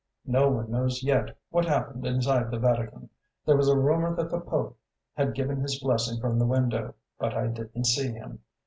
No one knows yet what happened inside the Vatican; there was a rumor that the Pope had given his blessing from the window but I didn't see him.